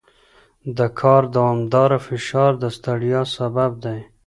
د کار دوامداره فشار د ستړیا سبب دی.